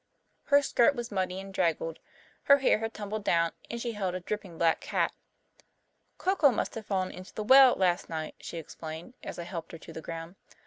Her skirt was muddy and draggled, her hair had tumbled down, and she held a dripping black cat. "Coco must have fallen into the well last night," she explained, as I helped her to the ground.